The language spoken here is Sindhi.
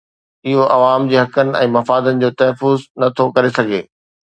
اهو عوام جي حقن ۽ مفادن جو تحفظ نٿو ڪري سگهي